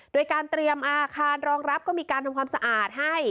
โดยการเตรียมอาคารรองรับก็มีการทำความสะอาดให้